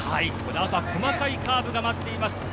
このあとは細かいカーブが待っています。